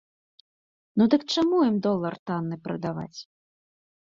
Ну дык чаму ім долар танны прадаваць?